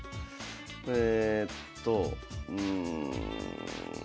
えっとうん。